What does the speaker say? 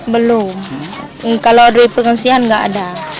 belum kalau dari pengungsian nggak ada